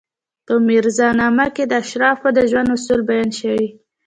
په میرزا نامه کې د اشرافو د ژوند اصول بیان شوي.